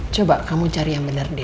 coba kamu cari yang bener